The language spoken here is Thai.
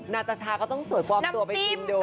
นาตาชาก็ต้องสวยปลอมตัวไปชิมดู